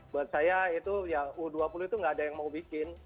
buat saya u dua puluh itu enggak ada yang mau bikin